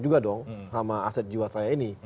juga dong sama aset jiwa saya ini